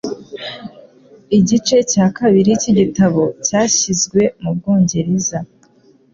Igice cya kabiri cyigitabo cyashyizwe mubwongereza.